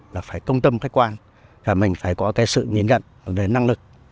là phải công tâm khách quan là mình phải có cái sự nhìn gần đến năng lực